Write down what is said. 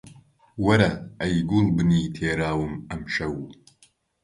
وەرە ئەی گوڵبنی تێراوم ئەمشەو